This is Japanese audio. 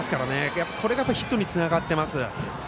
やっぱりこれがヒットにつながっています。